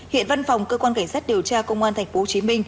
hiện văn phòng cơ quan cảnh sát điều tra công an tp hcm